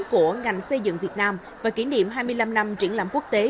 của ngành xây dựng việt nam và kỷ niệm hai mươi năm năm triển lãm quốc tế